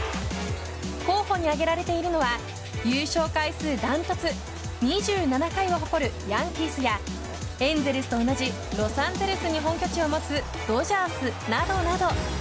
候補に挙げられているのは優勝回数断トツ２７回を誇るヤンキースやエンゼルスと同じロサンゼルスに本拠地を持つドジャースなどなど。